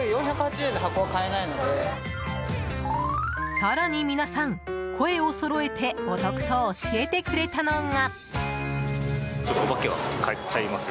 更に皆さん声をそろえてお得と教えてくれたのが。